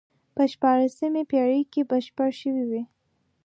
په شپاړسمې پېړۍ کې بشپړ شوی وي.